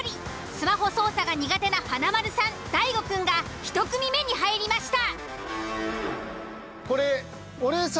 スマホ操作が苦手な華丸さん大悟くんが１組目に入りました。